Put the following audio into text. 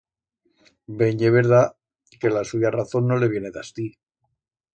Ben ye verdat que la suya razón no le viene d'astí.